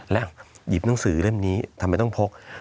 แล้วหยิบหนังสือเล่มนี้ทำไมต้องพก